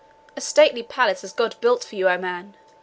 A stately palace has God built for you, O man!